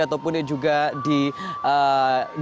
ataupun yang juga diperangkatkan